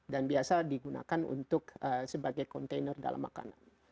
dan biasa digunakan untuk sebagai kontainer dalam makanan